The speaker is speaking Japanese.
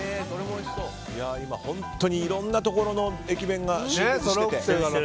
今、本当にいろんなところの駅弁が集結してて。